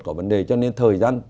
có vấn đề cho nên thời gian